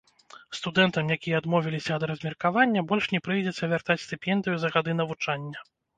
Студэнтам, якія адмовіліся ад размеркавання, больш не прыйдзецца вяртаць стыпендыю за гады навучання.